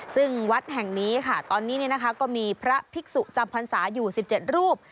ซึ่งวัดแห่งนี้ค่ะตอนนี้ก็มีพระภิกษุจำพรรษาอยู่๑๗รูป